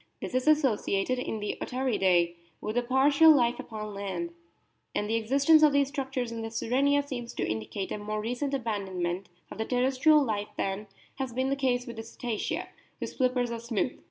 This is associated in the Otariidae with a partial life upon land, and the existence of these structures in the Sirenia seems to indicate a more recent abandonment of the terres trial life than has been the case with the Cetacea, whose flippers are smooth.